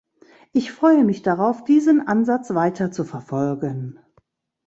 Ich freue mich darauf, diesen Ansatz weiterzuverfolgen.